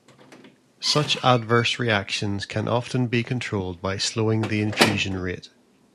Such adverse reactions can often be controlled by slowing the infusion rate.